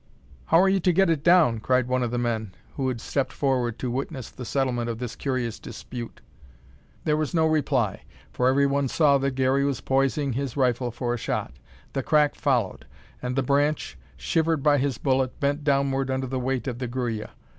"How are you to get it down?" cried one of the men, who had stepped forward to witness the settlement of this curious dispute. There was no reply, for everyone saw that Garey was poising his rifle for a shot. The crack followed; and the branch, shivered by his bullet, bent downward under the weight of the gruya.